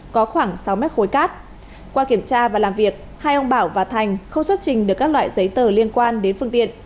có khoảng sáu mét khối cát qua kiểm tra và làm việc hai ông bảo và thành không xuất trình được các loại giấy tờ liên quan đến phương tiện